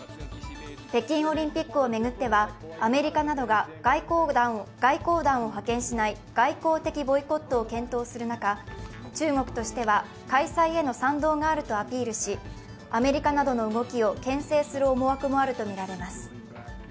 北京オリンピックを巡ってはアメリカなどが外交団を派遣しない外交的ボイコットを検討する中、中国としては、開催への賛同があるとアピールしアメリカなどの動きをけん制する思惑もあるとみられます。